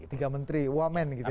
tiga menteri wamen gitu ya